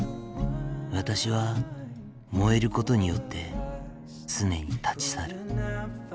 わたしは燃えることによってつねに立ち去る